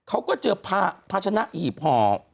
คุณหนุ่มกัญชัยได้เล่าใหญ่ใจความไปสักส่วนใหญ่แล้ว